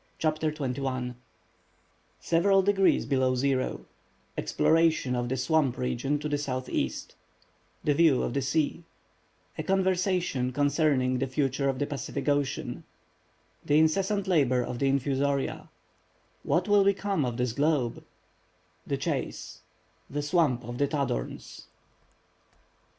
CHAPTER XXI SEVERAL DEGREES BELOW ZERO—EXPLORATION OF THE SWAMP REGION TO THE SOUTHEAST—THE VIEW OF THE SEA—A CONVERSATION CONCERNING THE FUTURE OF THE PACIFIC OCEAN—THE INCESSANT LABOR OF THE INFUSORIA—WHAT WILL BECOME OF THIS GLOBE—THE CHASE—THE SWAMP OF THE TADORNS.